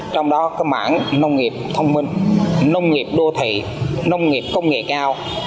trong đó cái mảng nông nghiệp thông minh nông nghiệp đô thị nông nghiệp công nghệ cao